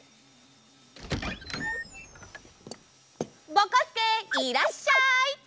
ぼこすけいらっしゃい！